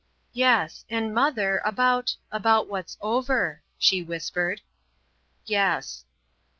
"Yes. And, mother, about about what's over," she whispered. "Yes."